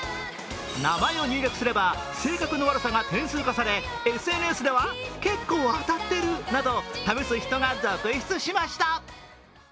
名前を入力すれば性格の悪さが点数化されＳＮＳでは、結構当たってるなど試す人が続出しました。